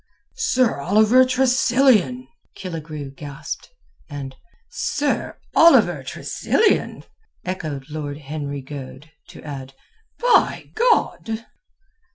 "Sir Oliver Tressilian!" Killigrew gasped, and "Sir Oliver Tressilian!" echoed Lord Henry Goade, to add "By God!"